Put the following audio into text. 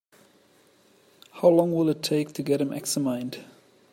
How long will it take to get him examined?